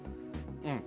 うん。